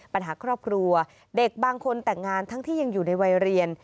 ปัญหาครอบครัวเด็กบางคนแต่งงานทั้งที่ยังอยู่ในวัยเรียน